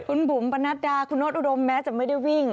คุณบุ๋มปนัดดาคุณโน๊ตอุดมแม้จะไม่ได้วิ่ง